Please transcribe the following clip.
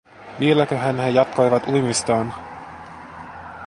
Vieläköhän he jatkoivat uimistaan?